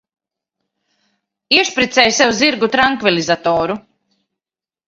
Iešpricē sev zirgu trankvilizatoru.